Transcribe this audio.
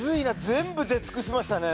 全部出尽くしましたね